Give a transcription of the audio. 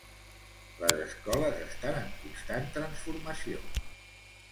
Les escoles estan en constant transformació.